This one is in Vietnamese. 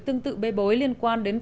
tương tự bê bối liên quan đến